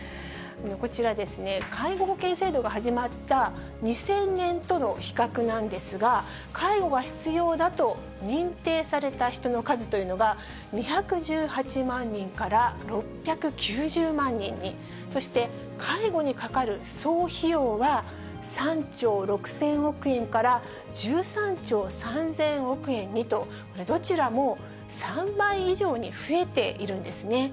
こちらですね、介護保険制度が始まった２０００年との比較なんですが、介護が必要だと認定された人の数というのが２１８万人から６９０万人に、そして介護にかかる総費用は３兆６０００億円から１３兆３０００億円にと、これ、どちらも３倍以上に増えているんですね。